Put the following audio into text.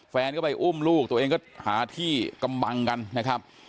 แฟนก็ไปอุ้มลูกตัวเองก็หาที่กำบังกันนะครับ